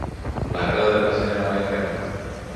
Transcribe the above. La carga de la educación era mayor que nunca.